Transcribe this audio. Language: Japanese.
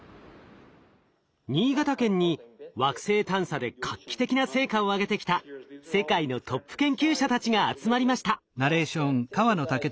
新潟県に惑星探査で画期的な成果を挙げてきた世界のトップ研究者たちが集まりました。